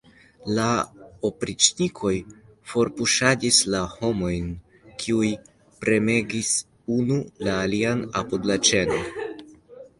La opriĉnikoj forpuŝadis la homojn, kiuj premegis unu la alian apud la ĉeno.